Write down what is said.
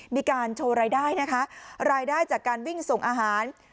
มีการโชว์รายได้นะคะรายได้จากการวิ่งส่งอาหาร